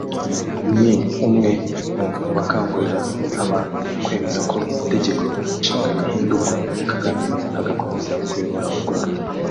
Mi umwe mu bakangurira abantu kwemera ko itegeko nshinga rihindurwa Kagame agakomeza kuyobora u Rwanda